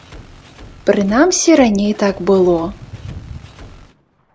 Прынамсі, раней так было.